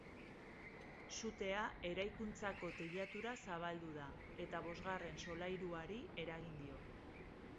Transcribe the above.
Sutea eraikuntzako teilatura zabaldu da eta bosgarren solairuari eragin dio.